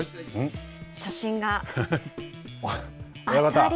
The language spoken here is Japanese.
写真が。